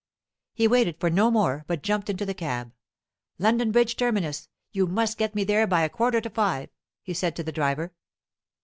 He waited for no more, but jumped into the cab. "London Bridge terminus! You must get me there by a quarter to five," he said to the driver.